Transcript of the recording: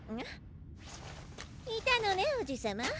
いたのねおじさま。